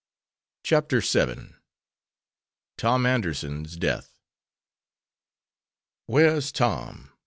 CHAPTER VII. TOM ANDERSON'S DEATH. "Where is Tom?"